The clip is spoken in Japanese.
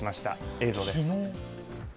映像です。